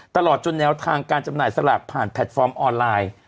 ตลอดจนแนวทางการจำหน่ายสลากผ่านแพลตฟอร์มออนไลน์